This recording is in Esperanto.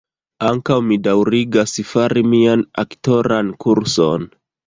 Ankaŭ mi daŭrigas fari mian aktoran kurson